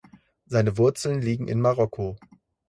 Seine Wurzeln liegen in Marokko.